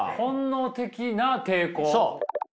そう。